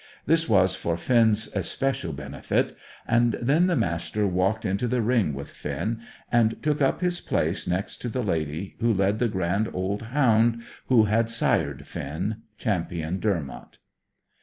This was for Finn's especial benefit. And then the Master walked into the ring with Finn, and took up his place next to the lady who led the grand old hound who had sired Finn Champion Dermot.